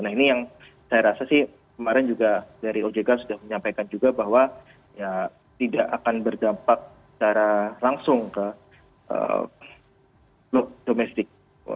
nah ini yang saya rasa sih kemarin juga dari ojk sudah menyampaikan juga bahwa ya tidak akan berdampak secara langsung ke blok domestik